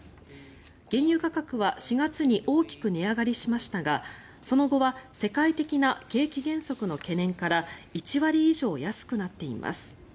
原油価格は４月に大きく値上がりしましたがその後は世界的な景気減速の懸念から１割以上安くなっています。